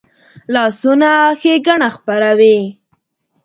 لاسونه ښېګڼه خپروي